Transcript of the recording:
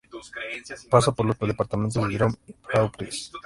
Pasa por los departamentos de Drôme y Vaucluse.